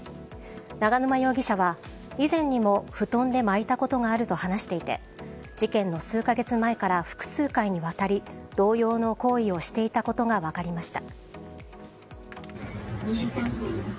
永沼容疑者は、以前にも布団で巻いたことがあると話していて、事件の数か月前から複数回にわたり同様の行為をしていたことが分かりました。